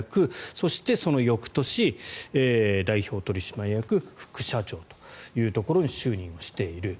そして、その翌年代表取締役副社長というところに就任している。